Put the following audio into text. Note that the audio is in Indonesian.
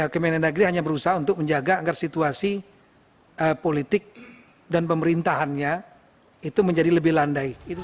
kementerian negeri hanya berusaha untuk menjaga agar situasi politik dan pemerintahannya itu menjadi lebih landai